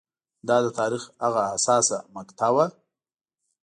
دا د تاریخ هغه حساسه مقطعه وه